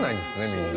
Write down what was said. みんな。